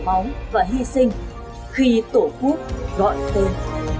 máu và hy sinh khi tổ quốc gọi tên